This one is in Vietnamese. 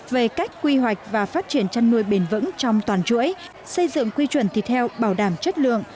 về cách quy hoạch và phát triển chăn nuôi bền vững trong toàn chuỗi xây dựng quy chuẩn thịt heo bảo đảm chất lượng